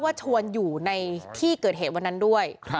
ชวนอยู่ในที่เกิดเหตุวันนั้นด้วย